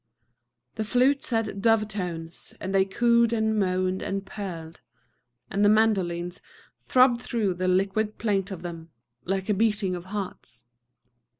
The flutes had dove tones; and they cooed and moaned and purled; and the mandolines throbbed through the liquid plaint of them, like a beating of hearts.